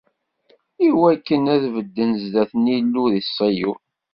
Iwakken ad bedden zdat n Yillu, di Ṣiyun.